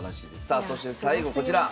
さあそして最後こちら。